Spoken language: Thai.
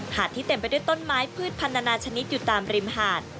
ที่เต็มไปด้วยต้นไม้พืชพันนานาชนิดอยู่ตามริมหาด